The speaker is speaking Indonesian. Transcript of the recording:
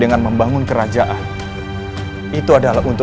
dan seimbang sembang tersebut